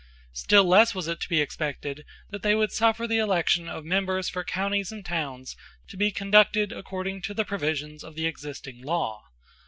Still less was it to be expected that they would suffer the election of members for counties and towns to be conducted according to the provisions of the existing law.